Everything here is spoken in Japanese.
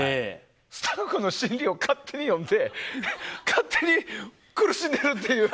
スタッフの心理を勝手に読んで勝手に苦しんでるっていう。